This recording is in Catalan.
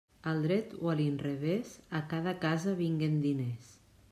Al dret o a l'inrevés, a cada casa vinguen diners.